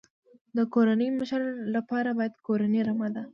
د کورنۍ مشر لپاره کورنۍ رمه ده.